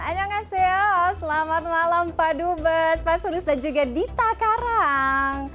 ayo ngasih ya selamat malam pak dubes pak sulis dan juga dita karang